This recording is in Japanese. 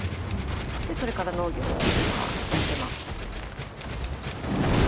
でそれから農業今はやってます。